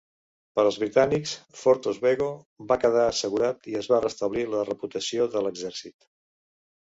Per als britànics, Fort Oswego va quedar assegurat i es va restablir la reputació de l'exèrcit.